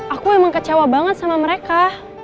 aku memang kecewa banget sama mereka